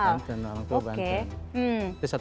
pibotnya anggi itu medan